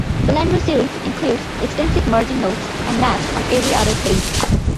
The Landmark series includes extensive margin notes and maps on every other page.